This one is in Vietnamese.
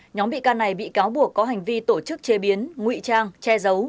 nhóm bị can này bị cáo buộc có hành vi tổ chức chế biến ngụy trang che giấu